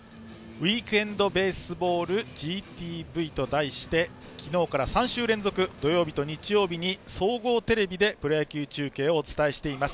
ウイークエンドベースボールＧＴＶと題して昨日から３週連続土曜日と日曜日に総合テレビでプロ野球中継をお伝えしています。